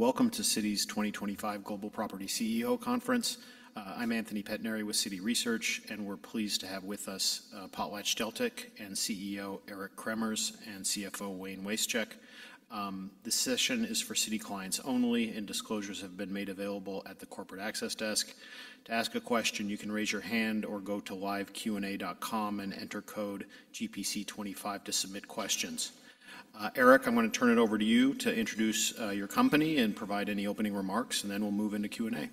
Welcome to Citi's 2025 Global Property CEO Conference. I'm Anthony Pettinari with Citi Research, and we're pleased to have with us PotlatchDeltic CEO Eric Cremers and CFO Wayne Wasechek. This session is for Citi clients only, and disclosures have been made available at the corporate access desk. To ask a question, you can raise your hand or go to liveqa.com and enter code GPC25 to submit questions. Eric, I'm going to turn it over to you to introduce your company and provide any opening remarks, and then we'll move into Q&A.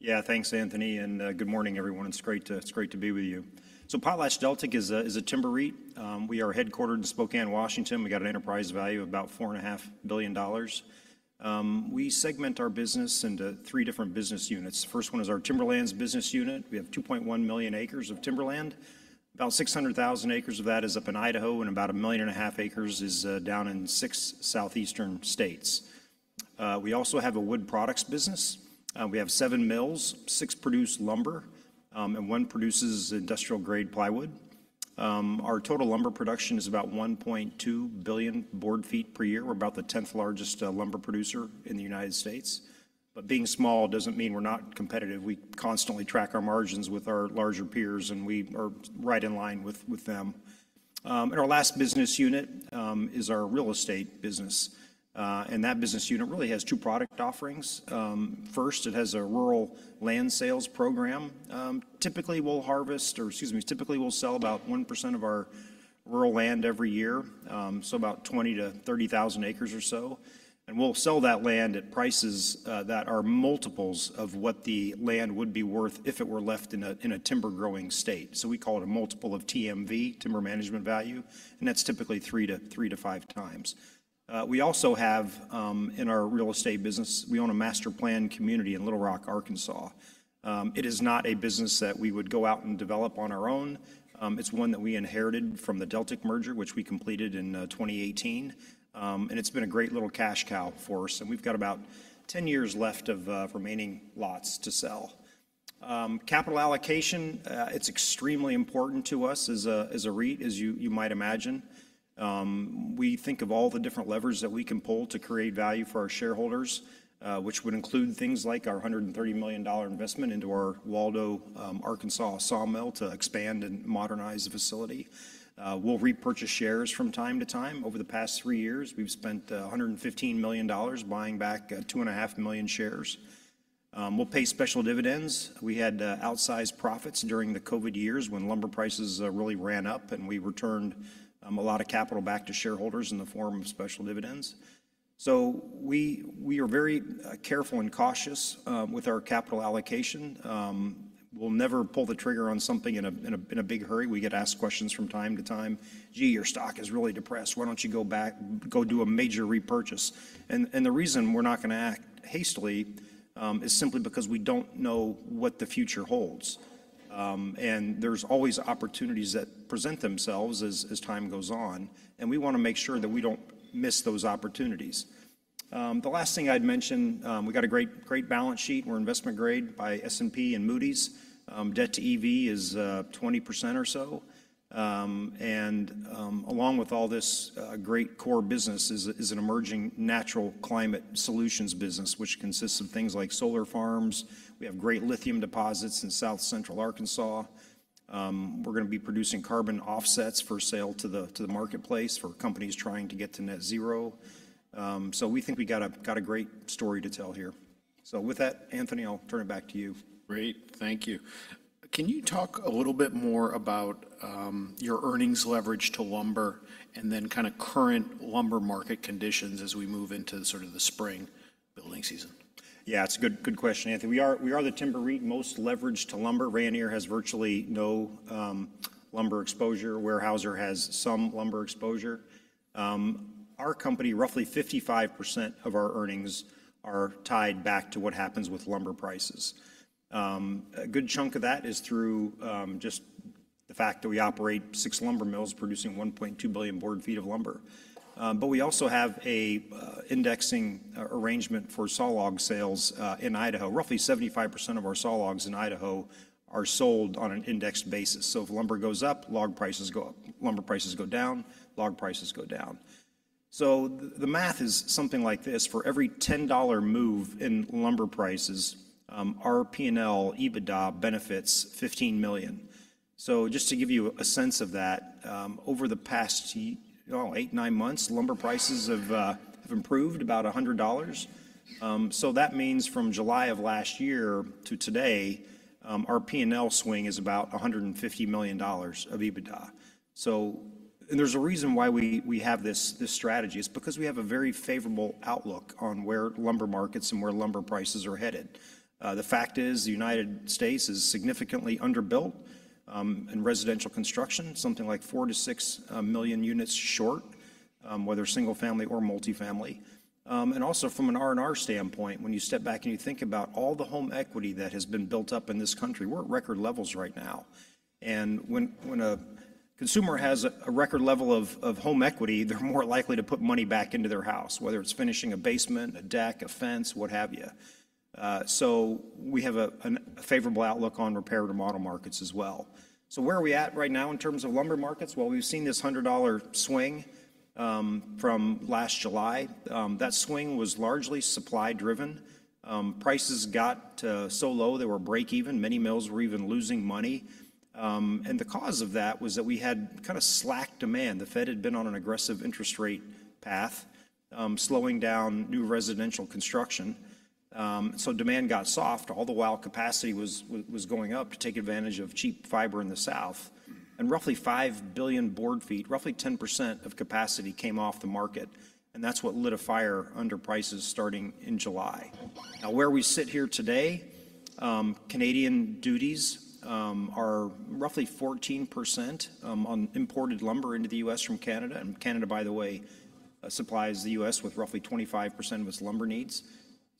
Yeah, thanks, Anthony, and good morning, everyone. It's great to be with you. So PotlatchDeltic is a timber REIT. We are headquartered in Spokane, Washington. We got an enterprise value of about $4.5 billion. We segment our business into three different business units. The first one is our Timberlands business unit. We have 2.1 million acres of timberland. About 600,000 acres of that is up in Idaho, and about 1.5 million acres is down in six southeastern states. We also have a wood products business. We have seven mills, six produce lumber, and one produces industrial-grade plywood. Our total lumber production is about 1.2 billion board feet per year. We're about the 10th largest lumber producer in the United States. But being small doesn't mean we're not competitive. We constantly track our margins with our larger peers, and we are right in line with them. Our last business unit is our real estate business. That business unit really has two product offerings. First, it has a rural land sales program. Typically, we'll harvest, or excuse me, typically we'll sell about 1% of our rural land every year, so about 20,000-30,000 acres or so. We'll sell that land at prices that are multiples of what the land would be worth if it were left in a timber-growing state. We call it a multiple of TMV, Timber Management Value, and that's typically 3-5 times. We also have in our real estate business; we own a master-planned community in Little Rock, Arkansas. It is not a business that we would go out and develop on our own. It's one that we inherited from the Deltic merger, which we completed in 2018. It's been a great little cash cow for us. We've got about 10 years left of remaining lots to sell. Capital allocation, it's extremely important to us as a REIT, as you might imagine. We think of all the different levers that we can pull to create value for our shareholders, which would include things like our $130 million investment into our Waldo, Arkansas sawmill to expand and modernize the facility. We'll repurchase shares from time to time. Over the past three years, we've spent $115 million buying back 2.5 million shares. We'll pay special dividends. We had outsized profits during the COVID years when lumber prices really ran up, and we returned a lot of capital back to shareholders in the form of special dividends. So we are very careful and cautious with our capital allocation. We'll never pull the trigger on something in a big hurry. We get asked questions from time to time, "Gee, your stock is really depressed. Why don't you go back, go do a major repurchase?" And the reason we're not going to act hastily is simply because we don't know what the future holds. And there's always opportunities that present themselves as time goes on, and we want to make sure that we don't miss those opportunities. The last thing I'd mention, we got a great balance sheet. We're investment-grade by S&P and Moody's. Debt-to-EV is 20% or so. And along with all this, a great core business is an emerging Natural Climate Solutions business, which consists of things like solar farms. We have great lithium deposits in South central Arkansas. We're going to be producing carbon offsets for sale to the marketplace for companies trying to get to net zero. So we think we got a great story to tell here. So with that, Anthony, I'll turn it back to you. Great. Thank you. Can you talk a little bit more about your earnings leverage to lumber and then kind of current lumber market conditions as we move into sort of the spring building season? Yeah, it's a good question, Anthony. We are the timber REIT most leveraged to lumber. Rayonier has virtually no lumber exposure. Weyerhaeuser has some lumber exposure. Our company, roughly 55% of our earnings are tied back to what happens with lumber prices. A good chunk of that is through just the fact that we operate six lumber mills producing 1.2 billion board feet of lumber. But we also have an indexing arrangement for sawlog sales in Idaho. Roughly 75% of our sawlogs in Idaho are sold on an indexed basis. So if lumber goes up, log prices go up. Lumber prices go down, log prices go down. So the math is something like this: for every $10 move in lumber prices, our P&L EBITDA benefits $15 million. So just to give you a sense of that, over the past eight, nine months, lumber prices have improved about $100. That means from July of last year to today, our P&L swing is about $150 million of EBITDA. And there's a reason why we have this strategy. It's because we have a very favorable outlook on where lumber markets and where lumber prices are headed. The fact is the United States is significantly underbuilt in residential construction, something like 4 million-6 million units short, whether single-family or multi-family. And also from an R&R standpoint, when you step back and you think about all the home equity that has been built up in this country, we're at record levels right now. And when a consumer has a record level of home equity, they're more likely to put money back into their house, whether it's finishing a basement, a deck, a fence, what have you. We have a favorable outlook on repair and remodel markets as well. So where are we at right now in terms of lumber markets? Well, we've seen this $100 swing from last July. That swing was largely supply-driven. Prices got so low they were break-even. Many mills were even losing money. And the cause of that was that we had kind of slack demand. The Fed had been on an aggressive interest rate path, slowing down new residential construction. So demand got soft, all the while capacity was going up to take advantage of cheap fiber in the South. And roughly 5 billion board feet, roughly 10% of capacity came off the market. And that's what lit a fire under prices starting in July. Now, where we sit here today, Canadian duties are roughly 14% on imported lumber into the U.S. from Canada. And Canada, by the way, supplies the U.S. with roughly 25% of its lumber needs.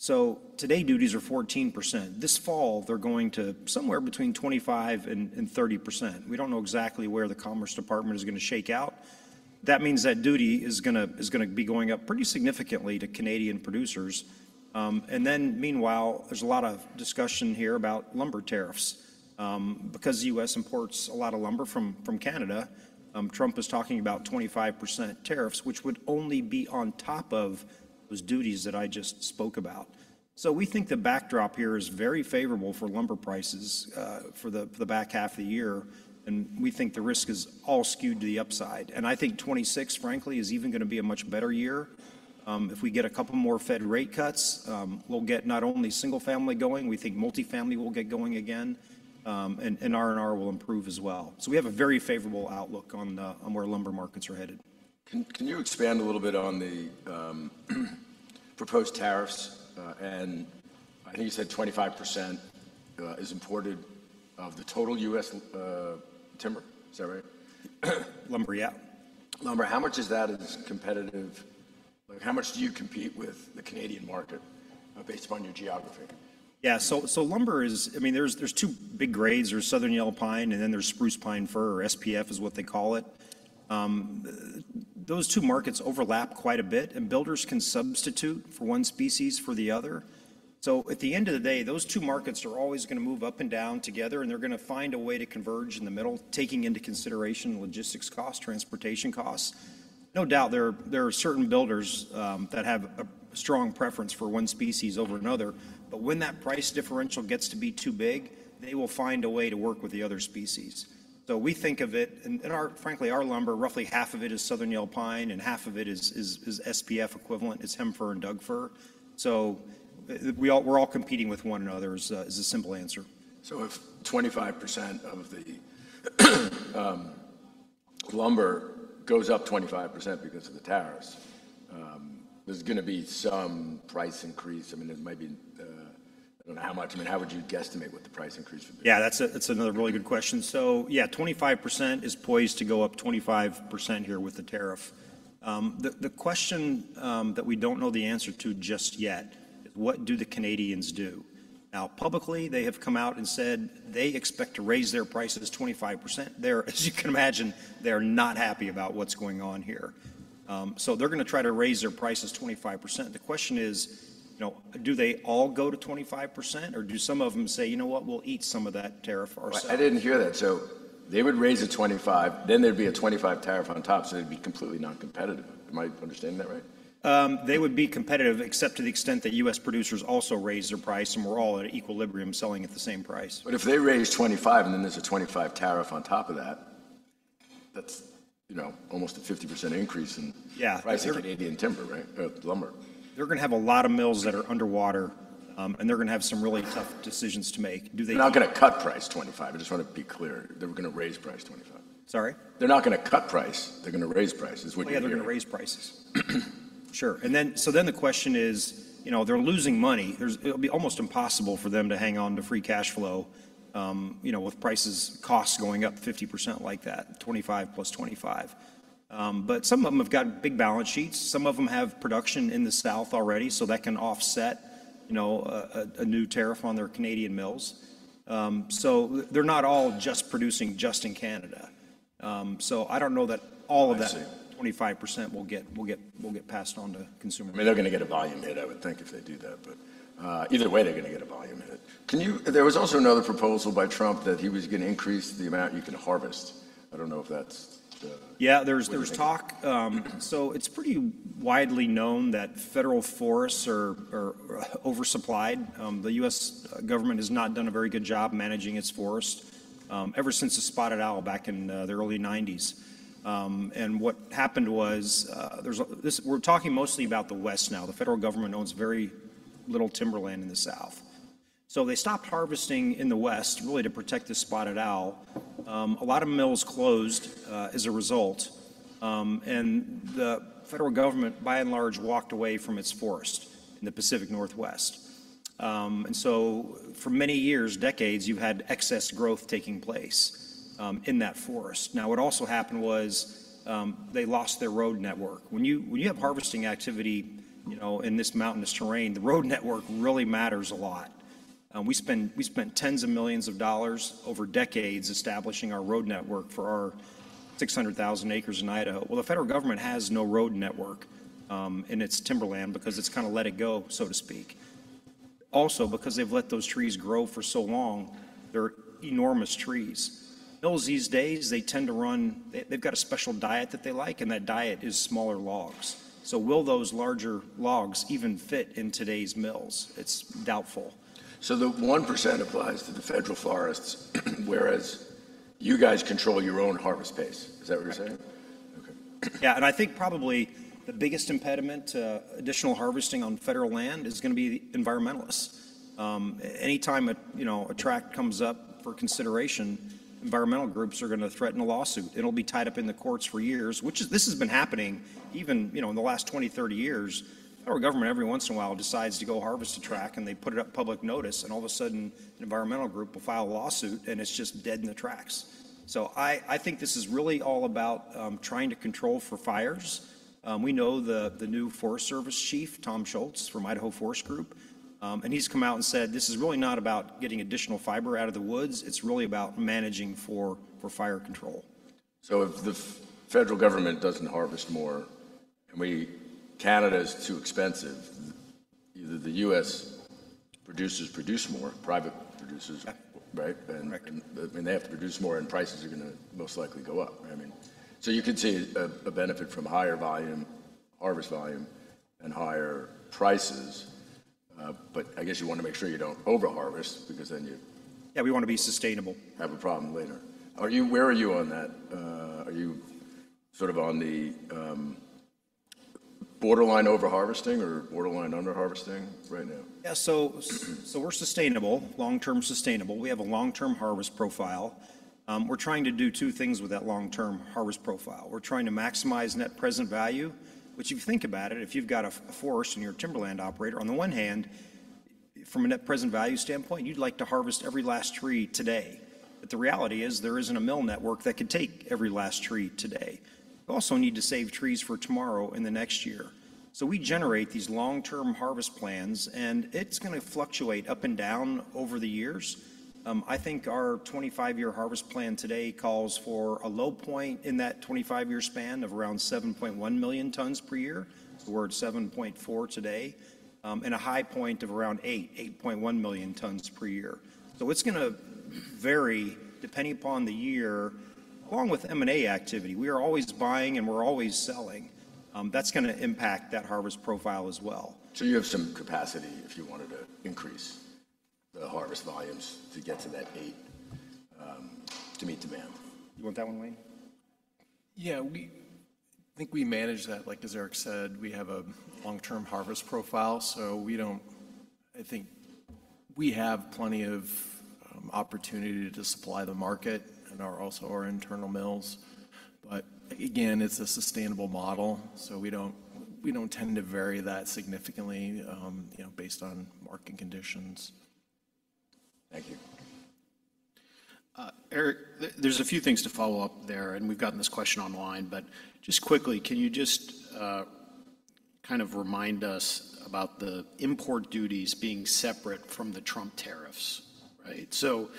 So today, duties are 14%. This fall, they're going to somewhere between 25% and 30%. We don't know exactly where the Commerce Department is going to shake out. That means that duty is going to be going up pretty significantly to Canadian producers. And then meanwhile, there's a lot of discussion here about lumber tariffs because the U.S. imports a lot of lumber from Canada. Trump is talking about 25% tariffs, which would only be on top of those duties that I just spoke about. So we think the backdrop here is very favorable for lumber prices for the back half of the year. And we think the risk is all skewed to the upside. And I think 2026, frankly, is even going to be a much better year. If we get a couple more Fed rate cuts, we'll get not only single-family going, we think multi-family will get going again, and R&R will improve as well. So we have a very favorable outlook on where lumber markets are headed. Can you expand a little bit on the proposed tariffs? And I think you said 25% is imported of the total U.S. timber. Is that right? Lumber, yeah. Lumber, how much is that as competitive? How much do you compete with the Canadian market based upon your geography? Yeah, so lumber is. I mean, there's two big grades. There's Southern Yellow Pine, and then there's Spruce-Pine-Fir. SPF is what they call it. Those two markets overlap quite a bit, and builders can substitute for one species for the other. So at the end of the day, those two markets are always going to move up and down together, and they're going to find a way to converge in the middle, taking into consideration logistics costs, transportation costs. No doubt there are certain builders that have a strong preference for one species over another. But when that price differential gets to be too big, they will find a way to work with the other species. So we think of it, and frankly, our lumber, roughly half of it is Southern Yellow Pine, and half of it is SPF equivalent. It's Hem-Fir and Douglas Fir. We're all competing with one another is a simple answer. So if 25% of the lumber goes up 25% because of the tariffs, there's going to be some price increase. I mean, there might be, I don't know how much. I mean, how would you guesstimate what the price increase would be? Yeah, that's another really good question. So yeah, 25% is poised to go up 25% here with the tariff. The question that we don't know the answer to just yet is, what do the Canadians do? Now, publicly, they have come out and said they expect to raise their prices 25%. As you can imagine, they're not happy about what's going on here. So they're going to try to raise their prices 25%. The question is, do they all go to 25%, or do some of them say, you know what, we'll eat some of that tariff ourselves? I didn't hear that. So they would raise it 25%, then there'd be a 25% tariff on top, so they'd be completely non-competitive. Am I understanding that right? They would be competitive, except to the extent that U.S. producers also raise their price, and we're all at equilibrium selling at the same price. But if they raise 25% and then there's a 25% tariff on top of that, that's almost a 50% increase in price of Canadian timber, right? Or lumber. They're going to have a lot of mills that are underwater, and they're going to have some really tough decisions to make. They're not going to cut price 25%. I just want to be clear. They're going to raise price 25%. Sorry? They're not going to cut price. They're going to raise price. Well, yeah, they're going to raise prices. Sure. The question is, they're losing money. It'll be almost impossible for them to hang on to free cash flow with prices, costs going up 50% like that, 25% + 25%. But some of them have got big balance sheets. Some of them have production in the South already, so that can offset a new tariff on their Canadian mills. So they're not all just producing in Canada. So I don't know that all of that 25% will get passed on to consumers. I mean, they're going to get a volume hit, I would think, if they do that. But either way, they're going to get a volume hit. There was also another proposal by Trump that he was going to increase the amount you can harvest. I don't know if that's the. Yeah, there's talk, so it's pretty widely known that federal forests are oversupplied. The U.S. government has not done a very good job managing its forest ever since the spotted owl back in the early 1990s, and what happened was we're talking mostly about the West now. The federal government owns very little timberland in the South, so they stopped harvesting in the West really to protect the spotted owl. A lot of mills closed as a result, and the federal government, by and large, walked away from its forest in the Pacific Northwest, and so for many years, decades, you've had excess growth taking place in that forest. Now, what also happened was they lost their road network. When you have harvesting activity in this mountainous terrain, the road network really matters a lot. We spent tens of millions of dollars over decades establishing our road network for our 600,000 acres in Idaho. Well, the federal government has no road network in its timberland because it's kind of let it go, so to speak. Also, because they've let those trees grow for so long, they're enormous trees. Mills these days, they tend to run. They've got a special diet that they like, and that diet is smaller logs. So will those larger logs even fit in today's mills? It's doubtful. So the 1% applies to the federal forests, whereas you guys control your own harvest base. Is that what you're saying? Yeah. Okay. Yeah, and I think probably the biggest impediment to additional harvesting on federal land is going to be environmentalists. Anytime a tract comes up for consideration, environmental groups are going to threaten a lawsuit. It'll be tied up in the courts for years, which this has been happening even in the last 20-30 years. The federal government every once in a while decides to go harvest a tract, and they put it up public notice, and all of a sudden, an environmental group will file a lawsuit, and it's just dead in its tracks. So I think this is really all about trying to control for fires. We know the new Forest Service Chief, Tom Schultz from Idaho Forest Group, and he's come out and said, this is really not about getting additional fiber out of the woods. It's really about managing for fire control. So if the federal government doesn't harvest more and Canada is too expensive, the U.S. producers produce more, private producers, right? And they have to produce more, and prices are going to most likely go up. I mean, so you could see a benefit from higher volume, harvest volume, and higher prices. But I guess you want to make sure you don't overharvest because then you. Yeah, we want to be sustainable. Have a problem later. Where are you on that? Are you sort of on the borderline overharvesting or borderline underharvesting right now? Yeah, so we're sustainable, long-term sustainable. We have a long-term harvest profile. We're trying to do two things with that long-term harvest profile. We're trying to maximize net present value, which if you think about it, if you've got a forest and you're a timberland operator, on the one hand, from a net present value standpoint, you'd like to harvest every last tree today. But the reality is there isn't a mill network that could take every last tree today. You also need to save trees for tomorrow and the next year. So we generate these long-term harvest plans, and it's going to fluctuate up and down over the years. I think our 25-year harvest plan today calls for a low point in that 25-year span of around 7.1 million tons per year. So we're at 7.4 today, and a high point of around 8 million-8.1 million tons per year. So it's going to vary depending upon the year, along with M&A activity. We are always buying and we're always selling. That's going to impact that harvest profile as well. So you have some capacity if you wanted to increase the harvest volumes to get to that eight to meet demand. You want that one, Wayne? Yeah, I think we manage that. Like as Eric said, we have a long-term harvest profile. So I think we have plenty of opportunity to supply the market and also our internal mills. But again, it's a sustainable model. So we don't tend to vary that significantly based on market conditions. Thank you. Eric, there's a few things to follow up there, and we've gotten this question online. But just quickly, can you just kind of remind us about the import duties being separate from the Trump tariffs, right? So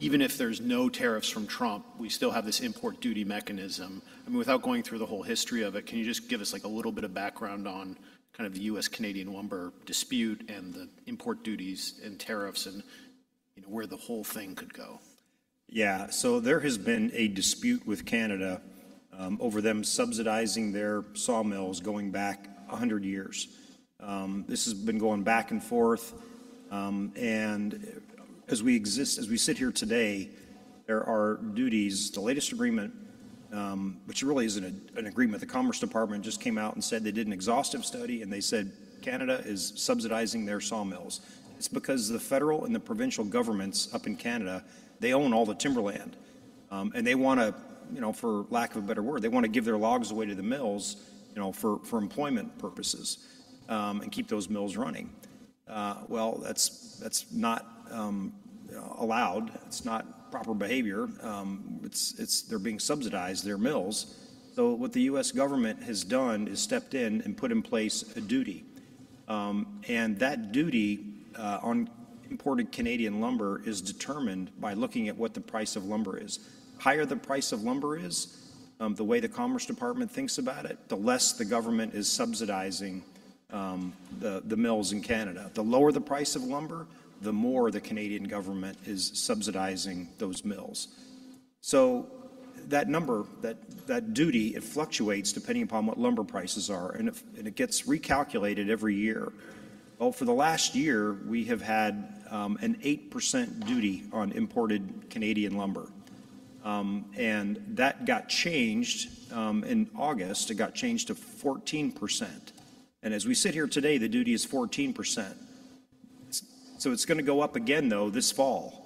even if there's no tariffs from Trump, we still have this import duty mechanism. I mean, without going through the whole history of it, can you just give us like a little bit of background on kind of the U.S.-Canadian lumber dispute and the import duties and tariffs and where the whole thing could go? Yeah. So there has been a dispute with Canada over them subsidizing their sawmills going back 100 years. This has been going back and forth, and as we sit here today, there are duties. The latest agreement, which really isn't an agreement, the Commerce Department just came out and said they did an exhaustive study, and they said Canada is subsidizing their sawmills. It's because the federal and the provincial governments up in Canada, they own all the timberland, and they want to, for lack of a better word, they want to give their logs away to the mills for employment purposes and keep those mills running, well, that's not allowed. It's not proper behavior. They're being subsidized their mills. So what the U.S. government has done is stepped in and put in place a duty. And that duty on imported Canadian lumber is determined by looking at what the price of lumber is. The higher the price of lumber is, the way the Commerce Department thinks about it, the less the government is subsidizing the mills in Canada. The lower the price of lumber, the more the Canadian government is subsidizing those mills. So that number, that duty, it fluctuates depending upon what lumber prices are, and it gets recalculated every year. Well, for the last year, we have had an 8% duty on imported Canadian lumber. And that got changed in August. It got changed to 14%. And as we sit here today, the duty is 14%. So it's going to go up again, though, this fall.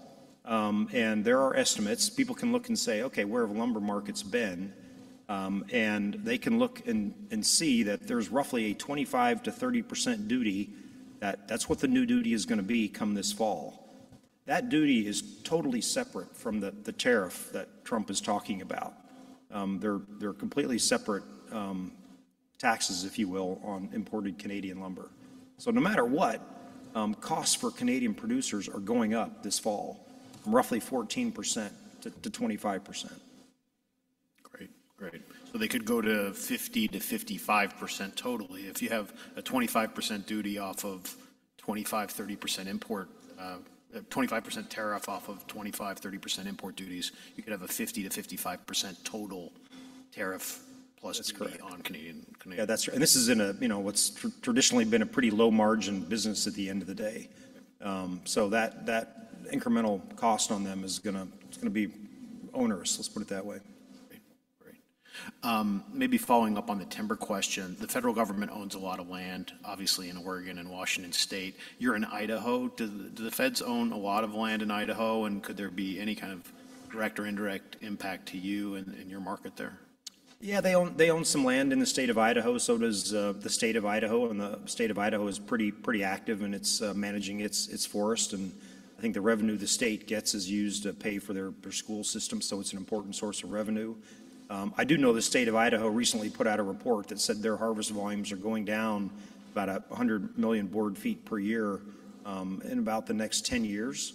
And there are estimates. People can look and say, okay, where have lumber markets been? They can look and see that there's roughly a 25%-30% duty. That's what the new duty is going to become this fall. That duty is totally separate from the tariff that Trump is talking about. They're completely separate taxes, if you will, on imported Canadian lumber. No matter what, costs for Canadian producers are going up this fall from roughly 14%-25%. Great. Great. They could go to 50%-55% totally. If you have a 25% duty off of 25%-30% import, 25% tariff off of 25%-30% import duties, you could have a 50%-55% total tariff plus duty on Canadian. Yeah, that's true. And this is in a what's traditionally been a pretty low-margin business at the end of the day. So that incremental cost on them is going to be onerous, let's put it that way. Great. Maybe following up on the timber question, the federal government owns a lot of land, obviously, in Oregon and Washington State. You're in Idaho. Do the feds own a lot of land in Idaho? And could there be any kind of direct or indirect impact to you and your market there? Yeah, they own some land in the state of Idaho. So does the state of Idaho. The state of Idaho is pretty active, and it's managing its forest. I think the revenue the state gets is used to pay for their school system. It's an important source of revenue. I do know the state of Idaho recently put out a report that said their harvest volumes are going down about 100 million board feet per year in about the next 10 years.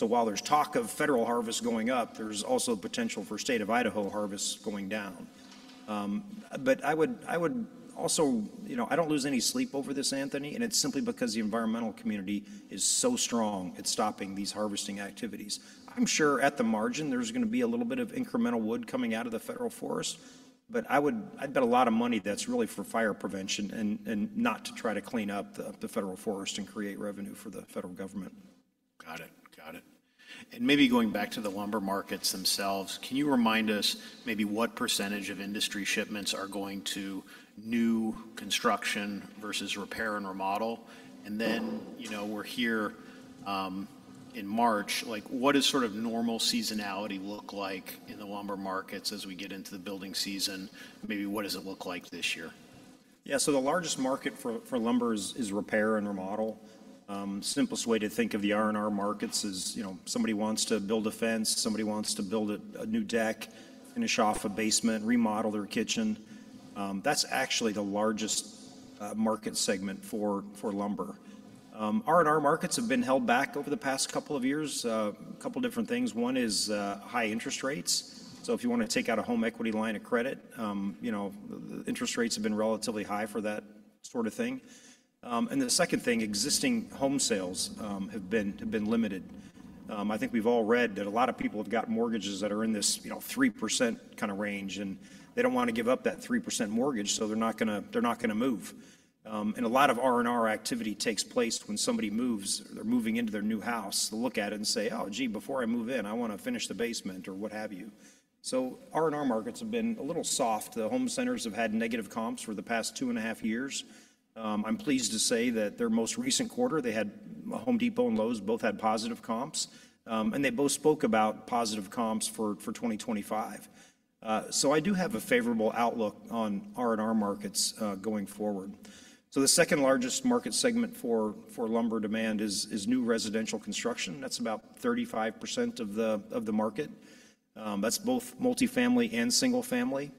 While there's talk of federal harvest going up, there's also potential for state of Idaho harvest going down. I also don't lose any sleep over this, Anthony. It's simply because the environmental community is so strong at stopping these harvesting activities. I'm sure at the margin, there's going to be a little bit of incremental wood coming out of the federal forest, but I bet a lot of money that's really for fire prevention and not to try to clean up the federal forest and create revenue for the federal government. Got it. Got it. And maybe going back to the lumber markets themselves, can you remind us maybe what percentage of industry shipments are going to new construction versus repair and remodel? And then we're here in March. What does sort of normal seasonality look like in the lumber markets as we get into the building season? Maybe what does it look like this year? Yeah. So the largest market for lumber is repair and remodel. The simplest way to think of the R&R markets is somebody wants to build a fence, somebody wants to build a new deck, finish off a basement, remodel their kitchen. That's actually the largest market segment for lumber. R&R markets have been held back over the past couple of years. A couple of different things. One is high interest rates. So if you want to take out a home equity line of credit, interest rates have been relatively high for that sort of thing. And the second thing, existing home sales have been limited. I think we've all read that a lot of people have got mortgages that are in this 3% kind of range, and they don't want to give up that 3% mortgage, so they're not going to move. A lot of R&R activity takes place when somebody moves. They're moving into their new house to look at it and say, "Oh, gee, before I move in, I want to finish the basement," or what have you. R&R markets have been a little soft. The home centers have had negative comps for the past two and a half years. I'm pleased to say that their most recent quarter, they had Home Depot and Lowe's both had positive comps. They both spoke about positive comps for 2025. I do have a favorable outlook on R&R markets going forward. The second largest market segment for lumber demand is new residential construction. That's about 35% of the market. That's both multifamily and single-family.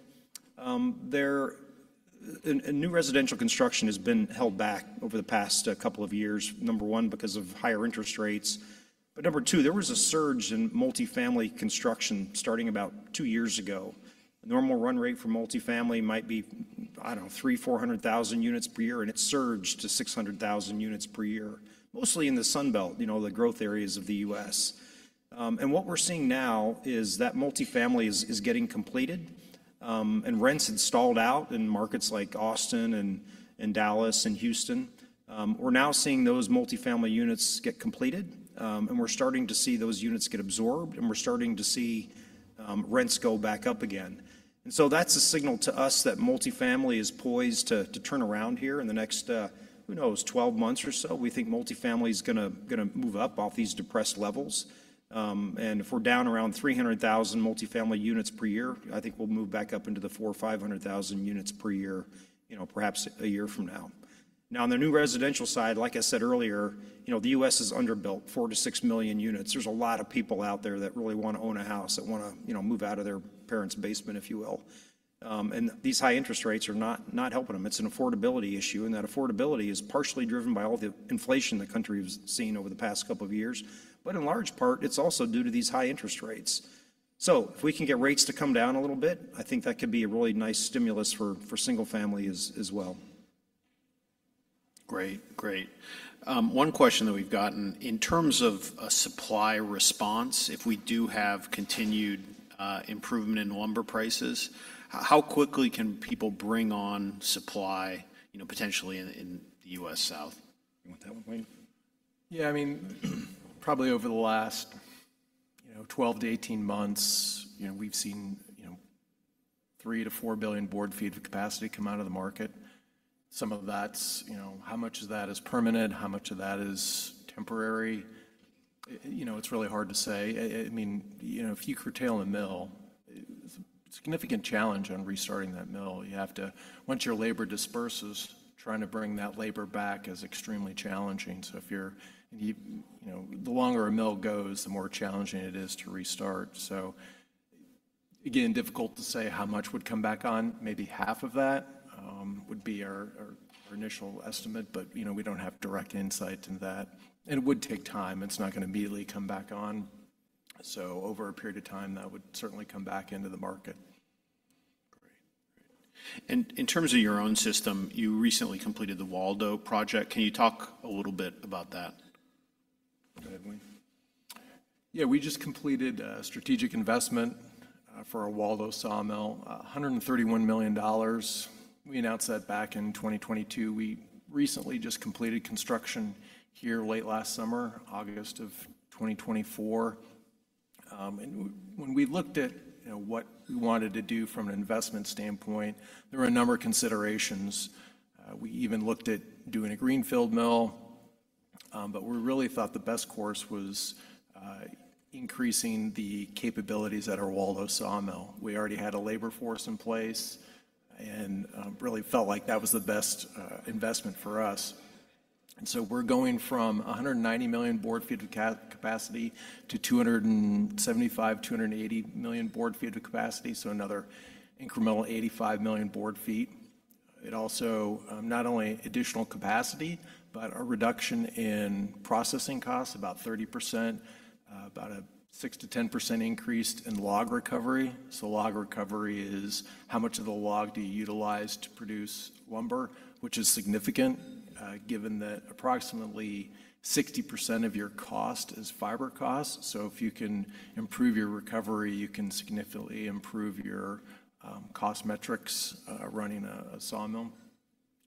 New residential construction has been held back over the past couple of years, number one, because of higher interest rates. But number two, there was a surge in multifamily construction starting about two years ago. The normal run rate for multifamily might be, I don't know, 300,000-400,000 units per year, and it surged to 600,000 units per year, mostly in the Sunbelt, the growth areas of the U.S. And what we're seeing now is that multifamily is getting completed and rents installed out in markets like Austin, Texas and Dallas, Texas and Houston, Texas. We're now seeing those multifamily units get completed, and we're starting to see those units get absorbed, and we're starting to see rents go back up again. And so that's a signal to us that multifamily is poised to turn around here in the next, who knows, 12 months or so. We think multifamily is going to move up off these depressed levels. And if we're down around 300,000 multifamily units per year, I think we'll move back up into the 4,000 or 500,000 units per year, perhaps a year from now. Now, on the new residential side, like I said earlier, the U.S. is underbuilt, 4 million-6 million units. There's a lot of people out there that really want to own a house, that want to move out of their parents' basement, if you will. And these high interest rates are not helping them. It's an affordability issue. And that affordability is partially driven by all the inflation the country has seen over the past couple of years. But in large part, it's also due to these high interest rates. So if we can get rates to come down a little bit, I think that could be a really nice stimulus for single-family as well. Great. Great. One question that we've gotten. In terms of a supply response, if we do have continued improvement in lumber prices, how quickly can people bring on supply potentially in the U.S. South? You want that one, Wayne? Yeah. I mean, probably over the last 12-18 months, we've seen three to four billion board feet of capacity come out of the market. Some of that, how much of that is permanent? How much of that is temporary? It's really hard to say. I mean, if you curtail a mill, it's a significant challenge on restarting that mill. Once your labor disperses, trying to bring that labor back is extremely challenging. So the longer a mill goes, the more challenging it is to restart. So again, difficult to say how much would come back on. Maybe half of that would be our initial estimate, but we don't have direct insight into that. And it would take time. It's not going to immediately come back on. So over a period of time, that would certainly come back into the market. Great. Great. And in terms of your own system, you recently completed the Waldo Project. Can you talk a little bit about that? Go ahead, Wayne. Yeah. We just completed a strategic investment for our Waldo sawmill, $131 million. We announced that back in 2022. We recently just completed construction here late last summer, August of 2024. And when we looked at what we wanted to do from an investment standpoint, there were a number of considerations. We even looked at doing a greenfield mill. But we really thought the best course was increasing the capabilities at our Waldo sawmill. We already had a labor force in place and really felt like that was the best investment for us. And so we're going from 190 million board feet of capacity to 275 million-280 million board feet of capacity, so another incremental 85 million board feet. It also not only additional capacity, but a reduction in processing costs, about 30%, about a 6%-10% increase in log recovery. Log recovery is how much of the log do you utilize to produce lumber, which is significant given that approximately 60% of your cost is fiber costs. If you can improve your recovery, you can significantly improve your cost metrics running a sawmill.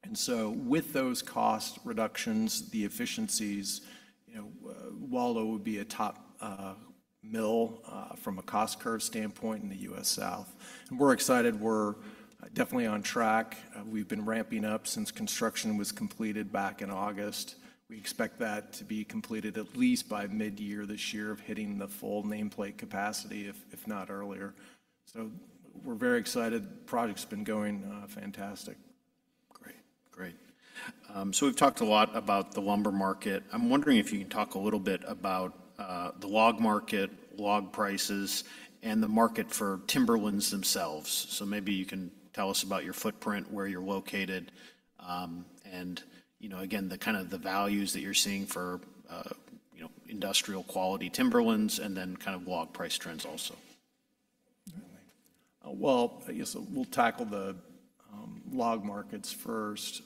With those cost reductions, the efficiencies, Waldo would be a top mill from a cost curve standpoint in the U.S. South. We're excited. We're definitely on track. We've been ramping up since construction was completed back in August. We expect that to be completed at least by mid-year this year of hitting the full nameplate capacity, if not earlier. We're very excited. The project's been going fantastic. Great. Great. So we've talked a lot about the lumber market. I'm wondering if you can talk a little bit about the log market, log prices, and the market for timberlands themselves. So maybe you can tell us about your footprint, where you're located, and again, the kind of values that you're seeing for industrial quality timberlands, and then kind of log price trends also. I guess we'll tackle the log markets first.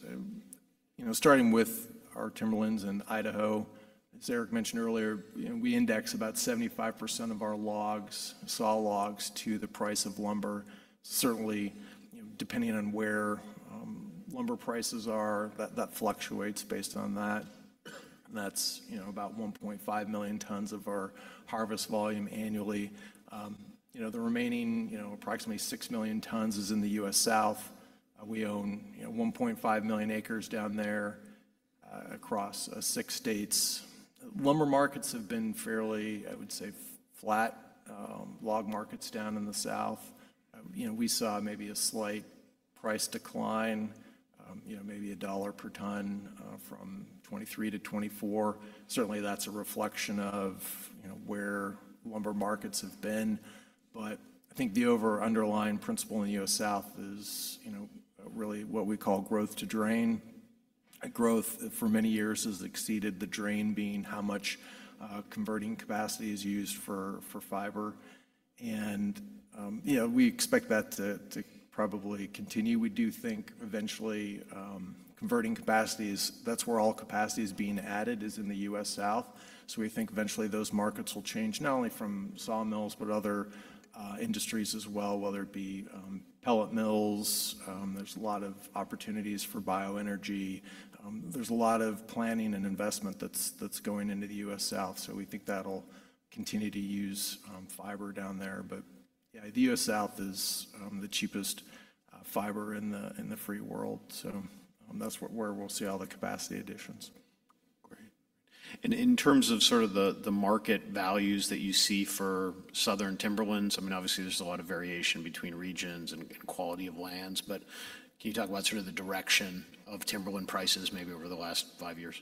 Starting with our timberlands in Idaho, as Eric mentioned earlier, we index about 75% of our logs, sawlogs to the price of lumber. Certainly, depending on where lumber prices are, that fluctuates based on that. That's about 1.5 million tons of our harvest volume annually. The remaining approximately 6 million tons is in the U.S. South. We own 1.5 million acres down there across six states. Lumber markets have been fairly, I would say, flat. Log markets down in the South. We saw maybe a slight price decline, maybe $1 per ton from 2023 to 2024. Certainly, that's a reflection of where lumber markets have been. But I think the overall underlying principle in the U.S. South is really what we call growth to drain. Growth for many years has exceeded the drain, being how much converting capacity is used for fiber. And we expect that to probably continue. We do think eventually converting capacity, that's where all capacity is being added, is in the U.S. South. So we think eventually those markets will change not only from sawmills, but other industries as well, whether it be pellet mills. There's a lot of opportunities for bioenergy. There's a lot of planning and investment that's going into the U.S. South. So we think that'll continue to use fiber down there. But yeah, the U.S. South is the cheapest fiber in the free world. So that's where we'll see all the capacity additions. Great. And in terms of sort of the market values that you see for southern timberlands, I mean, obviously, there's a lot of variation between regions and quality of lands. But can you talk about sort of the direction of timberland prices maybe over the last five years?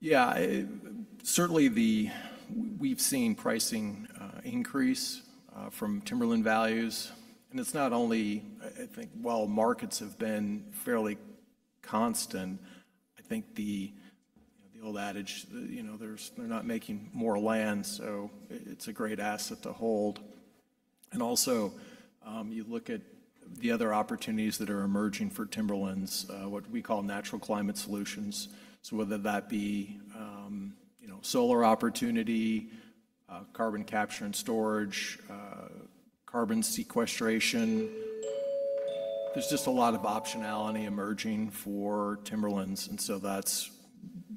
Yeah. Certainly, we've seen pricing increase from timberland values. And it's not only, I think, while markets have been fairly constant. I think the old adage, they're not making more land, so it's a great asset to hold. And also, you look at the other opportunities that are emerging for timberlands, what we call natural climate solutions. So whether that be solar opportunity, carbon capture and storage, carbon sequestration, there's just a lot of optionality emerging for timberlands. And so that's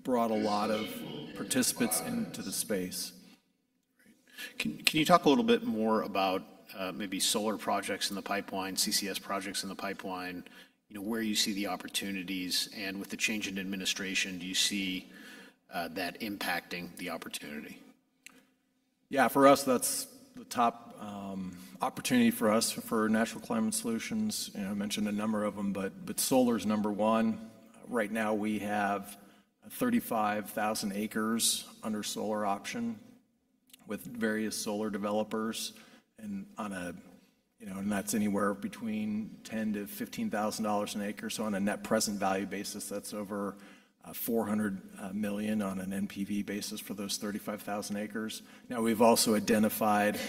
brought a lot of participants into the space. Great. Can you talk a little bit more about maybe solar projects in the pipeline, CCS projects in the pipeline, where you see the opportunities? And with the change in administration, do you see that impacting the opportunity? Yeah. For us, that's the top opportunity for us for natural climate solutions. I mentioned a number of them, but solar is number one. Right now, we have 35,000 acres under solar option with various solar developers. And that's anywhere between $10,000-$15,000 an acre. So on a net present value basis, that's over $400 million on an NPV basis for those 35,000 acres. Now, we've also identified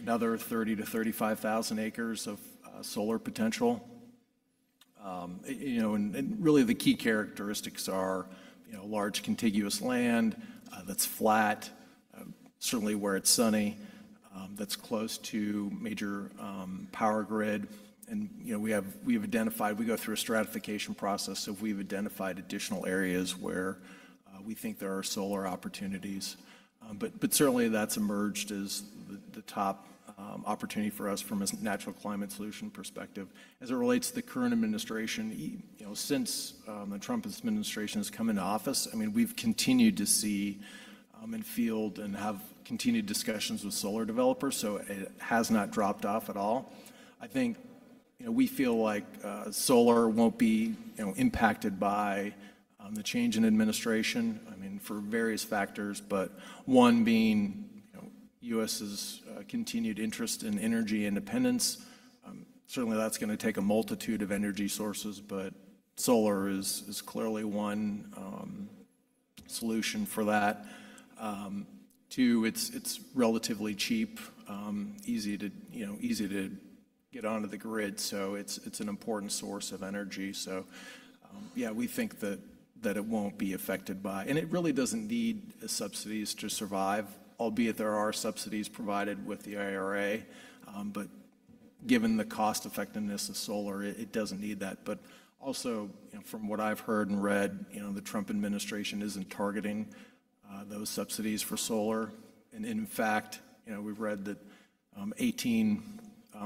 another 30,000-35,000 acres of solar potential. And really, the key characteristics are large contiguous land that's flat, certainly where it's sunny, that's close to major power grid. And we have identified. We go through a stratification process. So we've identified additional areas where we think there are solar opportunities. But certainly, that's emerged as the top opportunity for us from a natural climate solution perspective. As it relates to the current administration, since the Trump administration has come into office, I mean, we've continued to see and feel and have continued discussions with solar developers, so it has not dropped off at all. I think we feel like solar won't be impacted by the change in administration, I mean, for various factors, but one being the U.S.'s continued interest in energy independence. Certainly, that's going to take a multitude of energy sources, but solar is clearly one solution for that. Two, it's relatively cheap, easy to get onto the grid, so it's an important source of energy, so yeah, we think that it won't be affected by, and it really doesn't need subsidies to survive, albeit there are subsidies provided with the IRA, but given the cost-effectiveness of solar, it doesn't need that. But also, from what I've heard and read, the Trump administration isn't targeting those subsidies for solar. And in fact, we've read that 18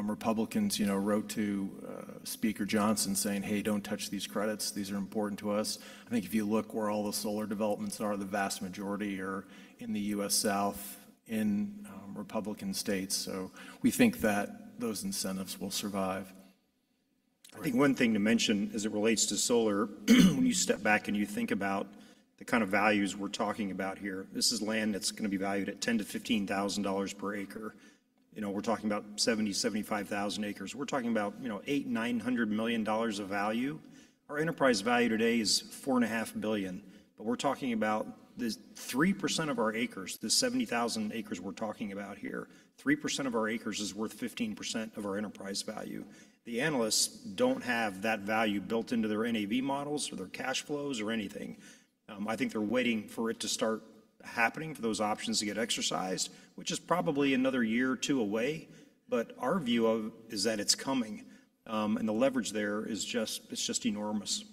Republicans wrote to Speaker Johnson saying, "Hey, don't touch these credits. These are important to us." I think if you look where all the solar developments are, the vast majority are in the U.S. South, in Republican states. So we think that those incentives will survive. I think one thing to mention as it relates to solar, when you step back and you think about the kind of values we're talking about here, this is land that's going to be valued at $10,000-$15,000 per acre. We're talking about 70,000-75,000 acres. We're talking about $800,000-$900,000 of value. Our enterprise value today is $4.5 billion. But we're talking about the 3% of our acres, the 70,000 acres we're talking about here, 3% of our acres is worth 15% of our enterprise value. The analysts don't have that value built into their NAV models or their cash flows or anything. I think they're waiting for it to start happening for those options to get exercised, which is probably another year or two away. But our view is that it's coming. And the leverage there is just enormous.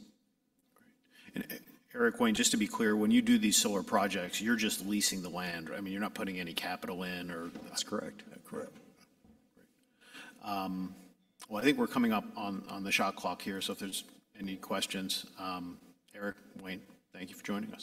Great. Eric, Wayne, just to be clear, when you do these solar projects, you're just leasing the land. I mean, you're not putting any capital in or. That's correct. Great. Well, I think we're coming up on the shot clock here. So if there's any questions, Eric, Wayne, thank you for joining us.